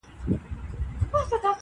زه دي وینمه لا هغسي نادان یې.